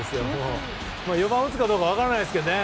４番打つかどうか分からないですけどね